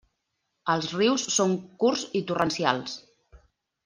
Els rius són curts i torrencials.